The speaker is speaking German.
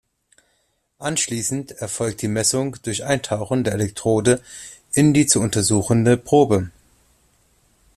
Anschließend erfolgt die Messung durch Eintauchen der Elektrode in die zu untersuchende Probe.